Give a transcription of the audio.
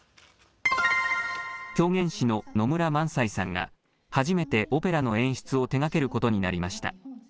狂言師の野村萬斎さんが初めてオペラの演出を手がけることになりました。